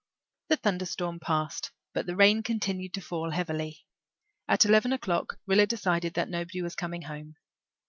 The thunderstorm passed, but the rain continued to fall heavily. At eleven o'clock Rilla decided that nobody was coming home.